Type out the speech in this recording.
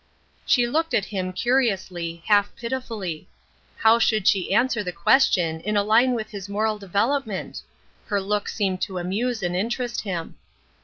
SHE looked at him curiously, half pitifully. How should she answer the question in a line with his moral development ? Her look seemed to amuse and interest him.